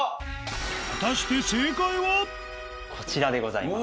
果たしてこちらでございます。